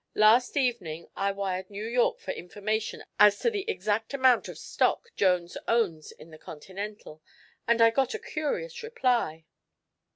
"Last evening I wired New York for information as to the exact amount of stock Jones owns in the Continental, and I got a curious reply.